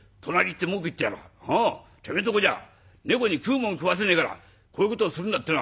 てめえんとこじゃ猫に食うもん食わせねえからこういうことをするんだってな